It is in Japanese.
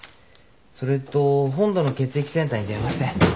それと本土の血液センターに電話して。